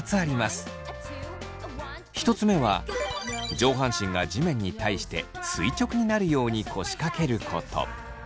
１つ目は上半身が地面に対して垂直になるように腰かけること。